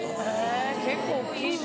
結構大きいですね。